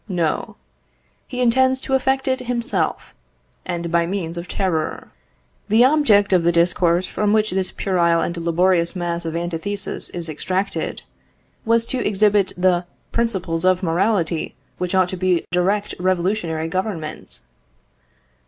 No; he intends to effect it himself, and by means of terror. The object of the discourse from which this puerile and laborious mass of antithesis is extracted, was to exhibit the principles of morality which ought to direct a revolutionary Government.